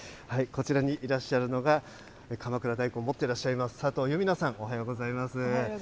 こちらにいらっしゃるのが、鎌倉大根持っていらっしゃいます、佐藤祐実那さん、おはようございます。